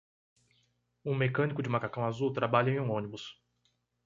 Um mecânico de macacão azul trabalha em um ônibus.